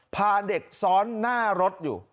พาเด็กซ้อนหน้ารถอยู่